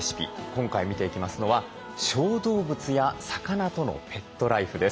今回見ていきますのは小動物や魚とのペットライフです。